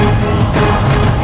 aku sudah berhenti